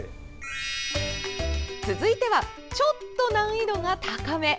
続いてはちょっと難易度が高め。